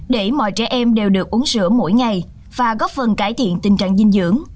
để mọi trẻ em đều được uống sữa mỗi ngày và góp phần cải thiện tình trạng dinh dưỡng